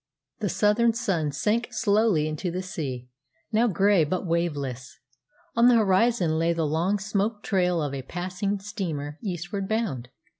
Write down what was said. The southern sun sank slowly into the sea, now grey but waveless. On the horizon lay the long smoke trail of a passing steamer eastward bound.